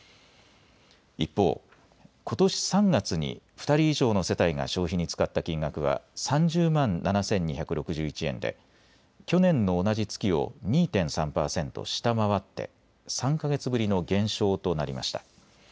一方、ことし３月に２人以上の世帯が消費に使った金額は３０万７２６１円で去年の同じ月を２．３％下回って３か月ぶりの減少となりました。